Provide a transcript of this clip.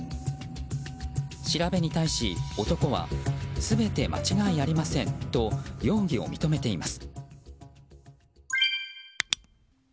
調べに対し、男は全て間違いありませんと容疑を認めています。